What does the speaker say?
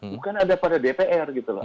bukan ada pada dpr gitu loh